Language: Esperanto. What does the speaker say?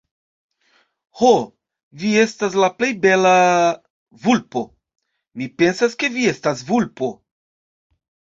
Ho, vi estas la plej bela... vulpo, mi pensas, ke vi estas vulpo.